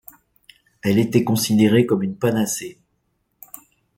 Elle était considérée comme une panacée.